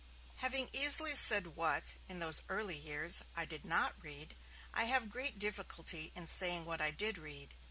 Having easily said what, in those early years, I did not read, I have great difficulty in saying what I did read.